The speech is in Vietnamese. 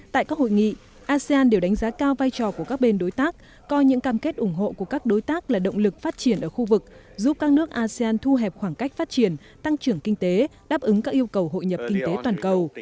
tại các hội nghị asean đều đánh giá cao vai trò của các bên đối tác coi những cam kết ủng hộ của các đối tác là động lực phát triển ở khu vực giúp các nước asean thu hẹp khoảng cách phát triển tăng trưởng kinh tế đáp ứng các yêu cầu hội nhập kinh tế toàn cầu